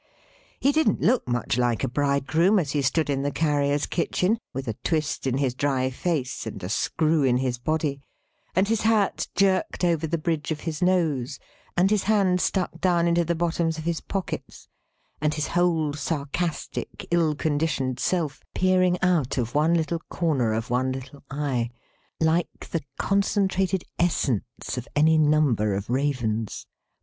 He didn't look much like a Bridegroom, as he stood in the Carrier's kitchen, with a twist in his dry face, and a screw in his body, and his hat jerked over the bridge of his nose, and his hands stuck down into the bottoms of his pockets, and his whole sarcastic ill conditioned self peering out of one little corner of one little eye, like the concentrated essence of any number of ravens.